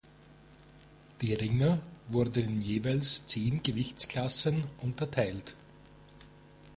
Die Ringer wurden in jeweils zehn Gewichtsklassen unterteilt.